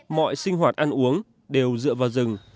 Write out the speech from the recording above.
mọi sinh hoạt ăn uống đều dựa vào rừng